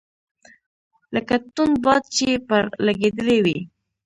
لکه توند باد چي پر لګېدلی وي .